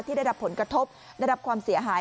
ได้รับผลกระทบได้รับความเสียหาย